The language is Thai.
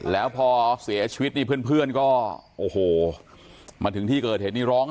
แล้วพอเสียชีวิตนี่เพื่อนก็โอ้โหมาถึงที่เกิดเหตุนี้ร้อง